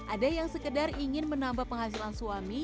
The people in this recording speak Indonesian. ada yang sekedar ingin menambah penghasilan suami